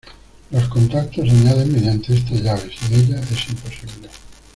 Los contactos se añaden mediante esta llave, sin ella es imposible.